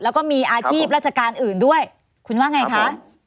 แล้วก็มีอาชีพราชการอื่นด้วยคุณว่าไงคะ